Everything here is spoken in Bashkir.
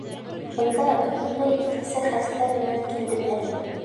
Бында бөтөнләй икенсе хәстәр менән килдем әле.